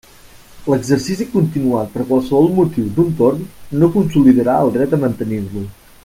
L'exercici continuat per qualsevol motiu d'un torn no consolidarà el dret a mantenir-lo.